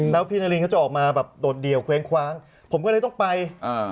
แล้วพี่นารินเขาจะออกมาแบบโดดเดี่ยวเว้งคว้างผมก็เลยต้องไปอ่า